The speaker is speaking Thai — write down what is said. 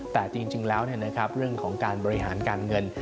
แต่จริงแล้วเรื่องของการบริหารการเงิน